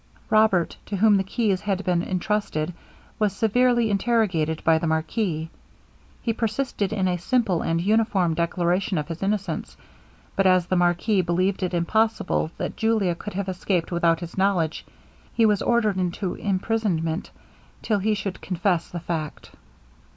Robert, to whom the keys had been entrusted, was severely interrogated by the marquis. He persisted in a simple and uniform declaration of his innocence; but as the marquis believed it impossible that Julia could have escaped without his knowledge, he was ordered into imprisonment till he should confess the fact.